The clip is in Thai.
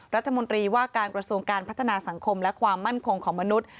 รัฐมนตรีว่าการกระทรวงการพัฒนาสังคมและความมั่นคงของมนุษย์